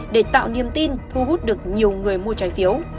để tạo niềm tin thu hút được nhiều người mua trái phiếu